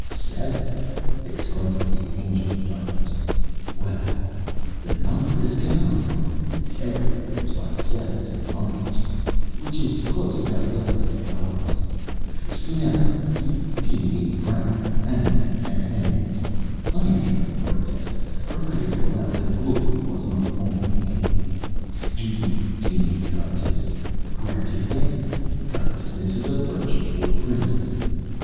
"Seven!" exclaimed the Angel of Darkness; "well! the number is canonical. Everything goes by sevens in my history, which is close bound up with God's. Spinello, you deem me proud, angry and envious. I enter no protest, provided you allow that glory was my only aim. Do you deem me covetous? Granted again; Covetousness is a virtue for Princes.